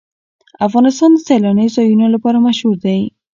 افغانستان د سیلانی ځایونه لپاره مشهور دی.